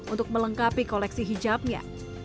untuk melengkapi koleksi hijabnya